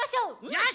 よし！